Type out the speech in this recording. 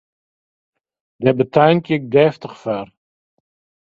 Dêr betankje ik deftich foar!